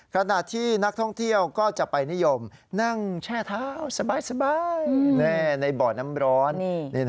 ขณะที่นักท่องเที่ยวก็จะไปนิยมนั่งแช่เท้าสบายในบ่อน้ำร้อน